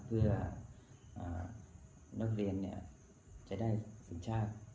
เพื่อนักเรียนเนี่ยจะได้สัญชาติ